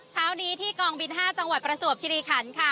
เช้านี้ที่กองบิน๕จังหวัดประจวบคิริขันค่ะ